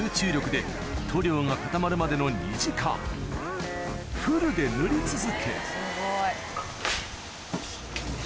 で塗料が固まるまでの２時間フルで塗り続け